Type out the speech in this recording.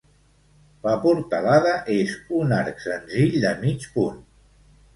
La portalada és un arc senzill de mig punt.